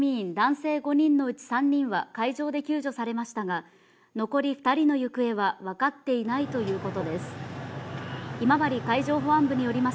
「せいりゅう」の乗組員、男性５人のうち３人は海上で救助されましたが、残り２人の行方は分かっていないということです。